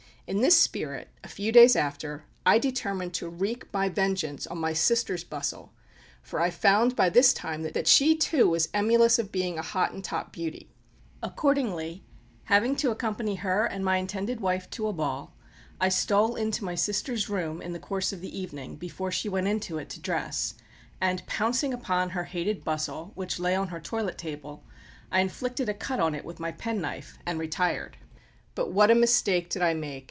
In this spirit, a few days after, I determined to wreak my vengeance on my sister's bustle, for I found by this time that she too was emulous of being a Hottentot beauty. Accordingly, having to accompany her and my intended wife to a ball, I stole into my sister's room in the course of the evening before she went into it to dress, and pouncing upon her hated bustle, which lay on her toilet table, I inflicted a cut on it with my penknife, and retired. But what a mistake did I make!